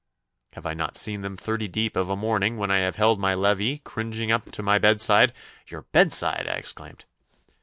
Have I not seen them thirty deep of a morning when I have held my levee, cringing up to my bedside ' 'Your bedside!' I exclaimed.